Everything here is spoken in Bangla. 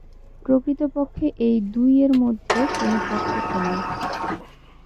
প্রকৃতপক্ষে এই দুই-এর মধ্যে কোন পার্থক্য নাই।